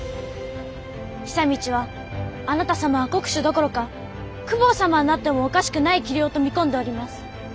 久通はあなた様は国主どころか公方様になってもおかしくない器量と見込んでおります！